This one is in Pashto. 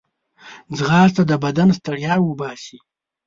ځغاسته د بدن ستړیا وباسي